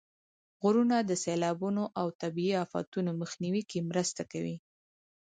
غرونه د سیلابونو او طبیعي افتونو مخنیوي کې مرسته کوي.